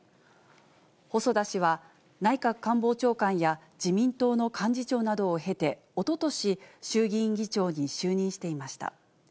細田氏は内閣官房長官や、自民党の幹事長などを経て、おととし、衆議院議長に就任していました。